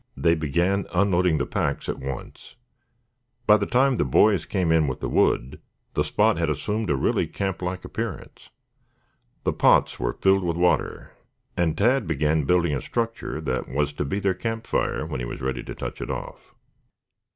They began unloading the packs at once. By the time the boys came in with the wood the spot had assumed a really camp like appearance. The pots were filled with water and Tad began building a structure that was to be their campfire when he was ready to touch it off.